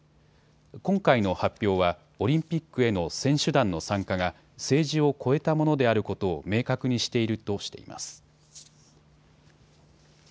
今回の発表はオリンピックへの選手団の参加が政治を超えたものであることを明確にしているとしています。